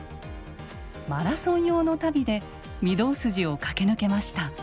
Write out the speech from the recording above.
マラソン用の足袋で御堂筋を駆け抜けました。